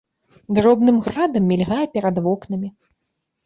Дробным градам мільгае перад вокнамі.